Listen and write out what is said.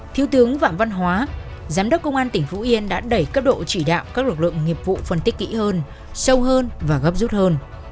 thiếu tướng phạm văn hóa giám đốc công an tỉnh phú yên đã đẩy cấp độ chỉ đạo các lực lượng nghiệp vụ phân tích kỹ hơn sâu hơn và gấp rút hơn